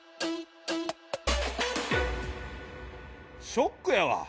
ショックやわ。